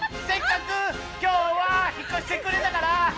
せっかく今日は引っ越してくれたから